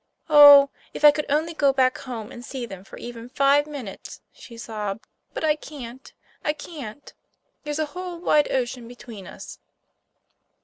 Oh, if I could only go back home and see them for even five minutes," she sobbed, "but I can't! I can't! There's a whole wide ocean between us!"